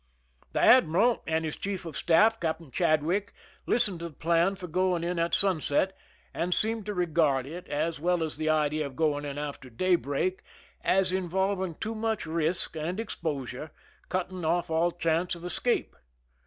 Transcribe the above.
The admiral and his chief of staff, Captain Chad wick, listened to the plan for going in at sunset, and seemed to regard it, as well as the idea of going in after daybreak, as involving too much risk and exposure, cutting off all chance of escape.